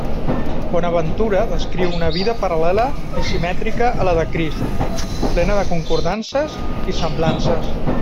Bonaventura descriu una vida paral·lela i simètrica a la de Crist, plena de concordances i semblances.